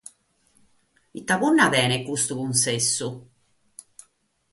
Ite punna tenet custu cunsessu?